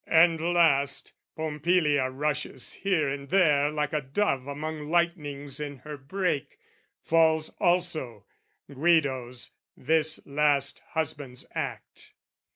And last, Pompilia rushes here and there Like a dove among lightnings in her brake, Falls also: Guido's, this last husband's act.